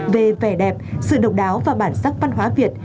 về vẻ đẹp sự độc đáo và bản sắc văn hóa việt